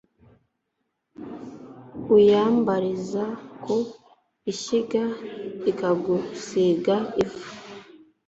uyambariza ku ishyiga ikagusiga ivu